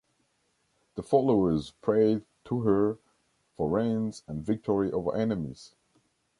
The followers prayed to her for rains and victory over enemies.